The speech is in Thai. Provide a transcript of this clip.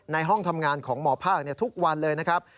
ห้องทำงานของหมอภาคทุกวันเลยนะครับ